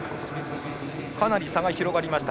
かなり差が広がりました。